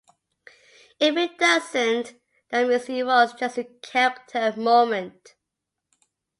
If it doesn't, that means it was just a character moment.